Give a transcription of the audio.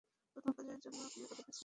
প্রথম কাজের জন্য আপনি কতো পেয়েছিলেন?